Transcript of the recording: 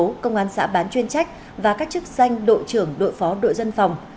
công an xã bán chuyên trách và các chức danh đội trưởng đội phó đội dân phòng